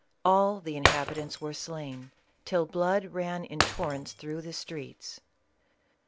All the inhab itants were slain, till blood ran in torrents through the streets.